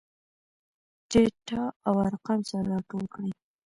ډاټا او ارقام سره راټول کړي.